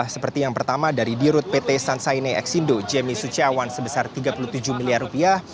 seperti yang pertama dari dirut pt sansaine exindo jemi suciawan sebesar tiga puluh tujuh miliar rupiah